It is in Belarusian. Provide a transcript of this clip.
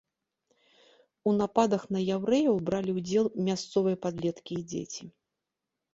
У нападах на яўрэяў бралі ўдзел мясцовыя падлеткі і дзеці.